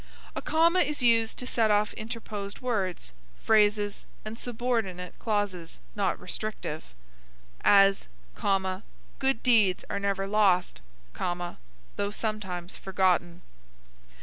A comma is used to set off interposed words, phrases and subordinate clauses not restrictive; as, Good deeds are never lost, though sometimes forgotten.